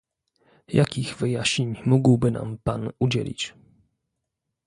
Jakich wyjaśnień mógłby nam Pan udzielić?